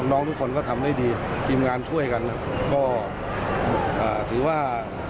น้องทุกคนก็ทำได้ดีทีมงานช่วยกันก็ถือว่า